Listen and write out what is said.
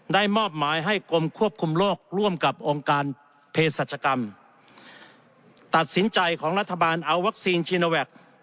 ได้มอบหมายให้กรมควบคุมโรคร่วมกับองค์การเพศรัชกรรมตัดสินใจของรัฐบาลเอาวัคซีนชีโนแวค